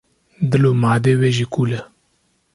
dil û madê wî jî kul e.